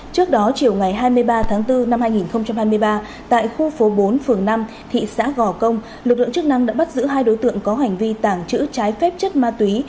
trước đó chiều ngày hai mươi ba tháng bốn năm hai nghìn hai mươi ba tại khu phố bốn phường năm thị xã gò công lực lượng chức năng đã bắt giữ hai đối tượng có hành vi tàng trữ trái phép chất ma túy